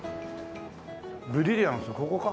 ブリリアンスここか？